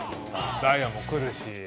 ダイアンも来るし。